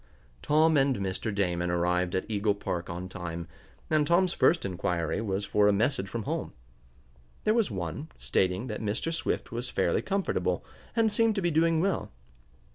Tom and Mr. Damon arrived at Eagle Park on time, and Tom's first inquiry was for a message from home. There was one, stating that Mr. Swift was fairly comfortable, and seemed to be doing well.